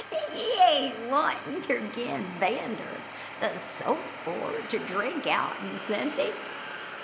"Ye ain't wantin' ter gin 'Vander the soap gourd ter drink out'n, Cynthy!